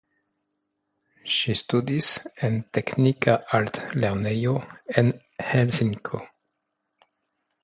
Ŝi studis en teknika altlernejo en Helsinko.